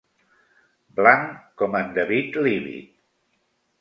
Blanc com en David Leavitt.